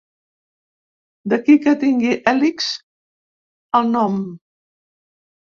D'aquí que tingui "hèlix" al nom.